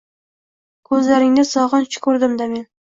Ko‘zlaringda sog‘inch ko‘rdim-da men.